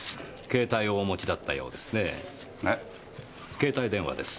携帯電話です。